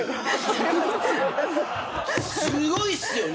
すごいっすよね？